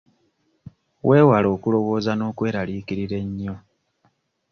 Weewale okulowooza n'okweraliikirira ennyo.